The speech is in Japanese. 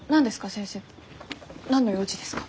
先生何の用事ですか？